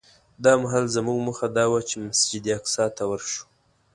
دا مهال زموږ موخه دا وه چې مسجد اقصی ته ورشو.